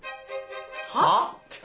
はあ！？